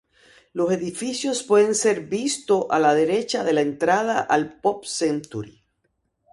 Los edificios pueden ser vistos a la derecha de la entrada al Pop Century.